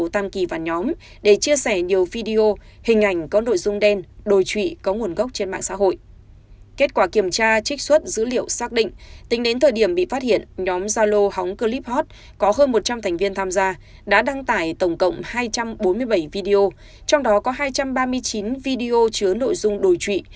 t và d đã đăng tải tổng cộng hai trăm bốn mươi bảy video trong đó có hai trăm ba mươi chín video chứa nội dung đồi trụy